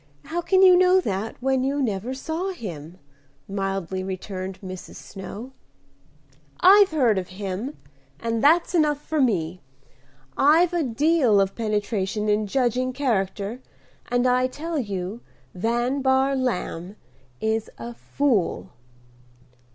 how can you know that, when you never saw him?" mildly returned Mrs. Snow. "I've heard of him, and that's enough for me. I've a deal of penetration in judging character, and I tell you Van Bahr Lamb is a fool."